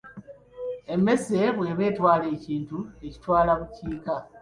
Emmese bw’eba etwala ekintu, ekitwala bukiika.